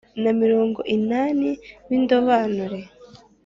na mirongo inani b indobanure